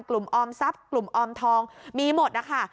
ออมทรัพย์กลุ่มออมทองมีหมดนะคะ